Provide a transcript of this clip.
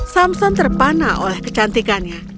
samson terpana oleh kecantikannya